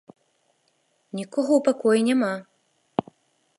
Нікога ў пакоі няма.